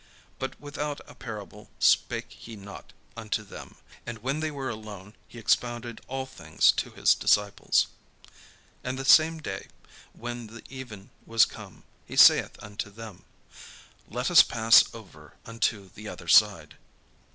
But without a parable spake he not unto them: and when they were alone, he expounded all things to his disciples. And the same day, when the even was come, he saith unto them: "Let us pass over unto the other side."